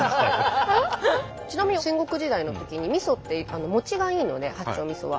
ちなみに戦国時代のときにみそってもちがいいので八丁みそは。